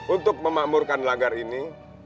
untuk memakmurkan langgar ini